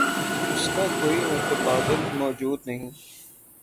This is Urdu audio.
اس کا کوئی متبادل موجود نہیں۔